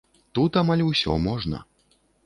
Тут амаль усё можна.